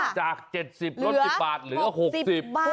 จาก๗๐ลด๑๐บาทเหลือ๖๐บาท